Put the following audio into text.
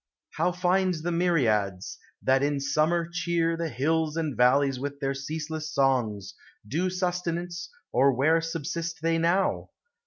How find the myriads, that in summer cheer The hills and valleys with their ceaseless songs, Due sustenance, or where subsist they now?